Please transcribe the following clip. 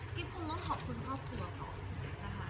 กิฟต์คงต้องขอบคุณครอบครัวของกิฟต์นะฮะ